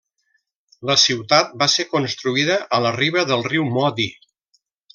La ciutat va ser construïda a la riba del riu Modi.